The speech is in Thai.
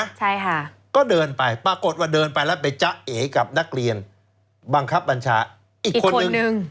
ใช่ค่ะก็เดินไปปรากฏว่าเดินไปแล้วไปจ๊ะเอกับนักเรียนบังคับบัญชาอีกคนนึง